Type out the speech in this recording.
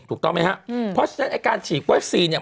ถูกต้องไหมครับเพราะฉะนั้นการฉีกวัคซีน